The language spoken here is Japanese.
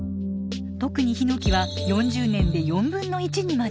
特にヒノキは４０年で４分の１にまで。